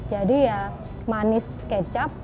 jadi ya manis kecap